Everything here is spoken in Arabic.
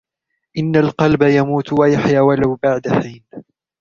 إنَّ الْقَلْبَ يَمُوتُ وَيَحْيَى وَلَوْ بَعْدَ حِينٍ